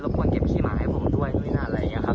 ควรเก็บขี้หมาให้ผมด้วยนู่นนั่นอะไรอย่างนี้ครับ